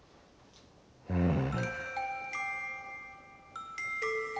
うん。